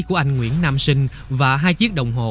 của anh nguyễn nam sinh